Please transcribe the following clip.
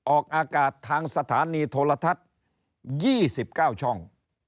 ออกอากาศทางสถานีโทรทัศน์๒๙ช่อง